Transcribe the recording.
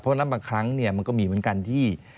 เพราะฉะนั้นบางครั้งเนี่ยมันก็มีเหมือนกันที่